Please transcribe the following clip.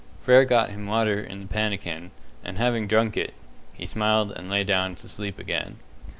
Frere got him water in the pannikin, and having drunk it, he smiled and lay down to sleep again.